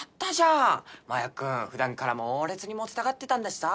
マヤ君ふだんから猛烈にモテたがってたんだしさ